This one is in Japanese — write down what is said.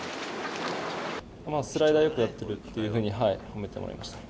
スライダーよくなってるっていうふうに、褒めてもらいました。